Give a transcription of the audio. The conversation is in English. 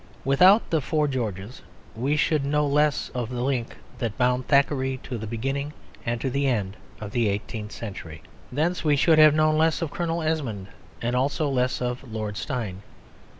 Without the Four Georges we should know less of the link that bound Thackeray to the beginning and to the end of the eighteenth century; thence we should have known less of Colonel Esmond and also less of Lord Steyne.